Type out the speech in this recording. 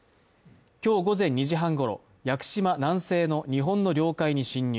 今日午前２時半ごろ、屋久島南西の日本の領海に侵入。